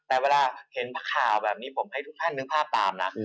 แต่เวลาเห็นข่าวแบบนี้ผมให้ทุกท่านนึกภาพตามนะ